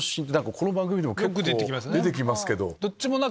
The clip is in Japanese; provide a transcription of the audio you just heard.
この番組でも出てきますけど。